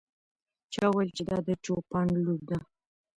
چا وویل چې دا د چوپان لور ده.